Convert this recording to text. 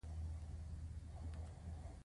موږ باید د هر فرد ذاتي کرامت تامین کړو.